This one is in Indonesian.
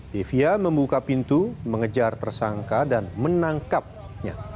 devia membuka pintu mengejar tersangka dan menangkapnya